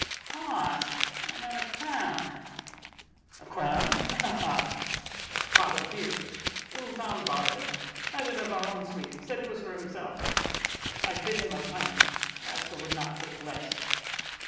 "Cost? Why, not a crown." "A crown? ha! ha! a pot o' beer! Little Tom borrowed it; had it of our own sweep. Said 'twas for himself. I bid him a pint; rascal would not take less."